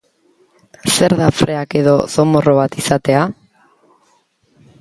Zer da freak edo zomorro bat izatea?